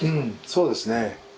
そうですね。